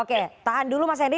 oke tahan dulu mas henry